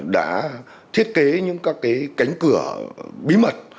đã thiết kế những các cánh cửa bí mật